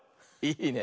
いいね。